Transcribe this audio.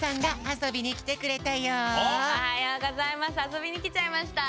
あそびにきちゃいました。